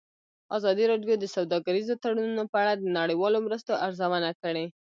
ازادي راډیو د سوداګریز تړونونه په اړه د نړیوالو مرستو ارزونه کړې.